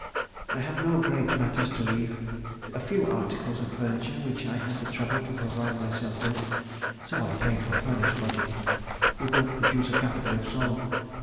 I have no great matters to leave, a few articles of furniture which I had the trouble to provide myself with (though I paid for furnished lodgings), would not produce a capital if sold.